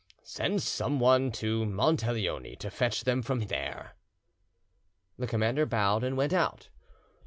"Send someone to Monteleone to fetch them from there." The commander bowed and went out.